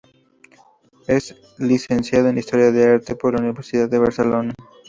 Es licenciado en Historia del Arte por la Universidad de Barcelona.